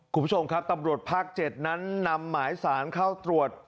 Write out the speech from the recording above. คุณผู้ชมครับตำรวจภาค๗นั้นนำหมายสารเข้าตรวจ